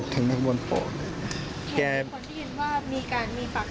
เจอบที่ก็ได้เพิ่มว่ามีปากเสียงกันด้วยอันนี้จริงหรือ